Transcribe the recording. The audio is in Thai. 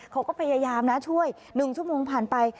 เขาก็พยายามนะช่วย๑ชั่วโมงผ่านไป